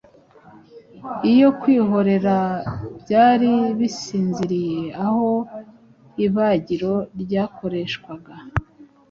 Iyo kwihorera byari bisinziriye aho ibagiro ryakoreshwaga